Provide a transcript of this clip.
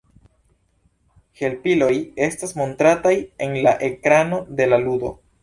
Helpiloj estas montrataj en la ekrano de la ludo.